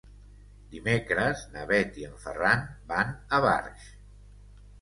Dimecres na Bet i en Ferran van a Barx.